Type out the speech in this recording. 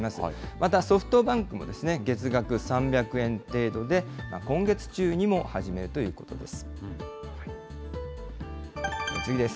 またソフトバンクも月額３００円程度で今月中にも始めるということです。